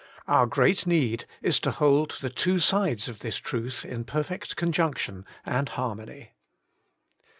Our great need is to hold the two sides of the truth in perfect conjunction and har mony.